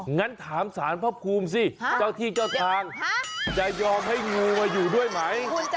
งั้นถามศาลภพภูมิสิเจ้าที่เจ้าทางจะยอมให้งัวอยู่ด้วยไหมฮะเดี๋ยวฮะ